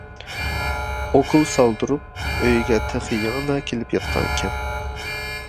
ئوكۇل سالدۇرۇپ، ئۆيىگە تېخى يېڭىلا كېلىپ ياتقانىكەن.